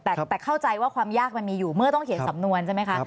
แต่เข้าใจว่าความยากมันมีอยู่เมื่อต้องเขียนสำนวนใช่ไหมคะ